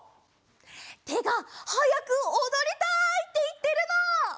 てがはやくおどりたいっていってるの！